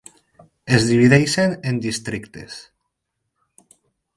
Es divideixen en districtes.